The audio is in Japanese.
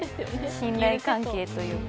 信頼関係というか。